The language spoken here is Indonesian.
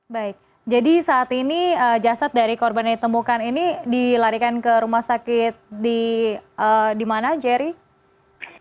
baik jadi saat ini jasad dari korban yang ditemukan ini dilarikan ke rumah sakit di mana jerry